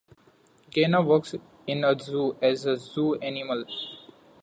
Gena works in a zoo as a zoo animal.